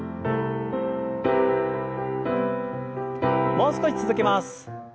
もう少し続けます。